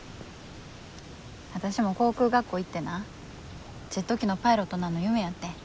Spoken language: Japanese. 私も航空学校行ってなジェット機のパイロットなんの夢やってん。